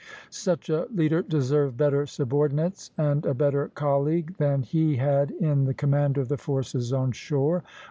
Such a leader deserved better subordinates, and a better colleague than he had in the commander of the forces on shore.